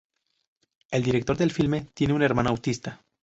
El director del filme tiene un hermano autista.